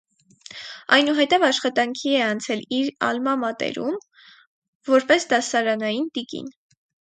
Այնուհետև աշխատանքի է անցել իր ալմա մատերում՝ որպես դասարանային տիկին։